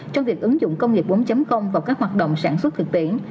trong việc ứng dụng công nghiệp bốn vào các hoạt động sản xuất thực tiễn